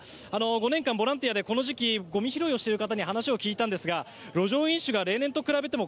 ５年間、ボランティアでこの時期ゴミ拾いをしている方に話を聞いたんですが路上飲酒が例年と比べても